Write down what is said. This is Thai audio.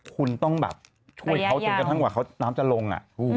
คุณต้องแบบช่วยเขาจนจะน้ำจะลง